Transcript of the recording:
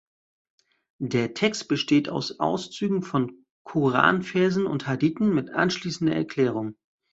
Der Text besteht aus Auszügen von Koranversen und Hadithen mit anschließender Erklärung.